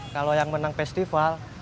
kalau yang menang festival